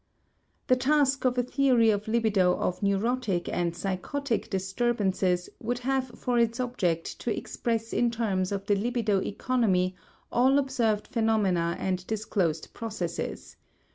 The task of a theory of libido of neurotic and psychotic disturbances would have for its object to express in terms of the libido economy all observed phenomena and disclosed processes.